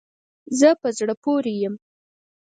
زه په زړه پوری یم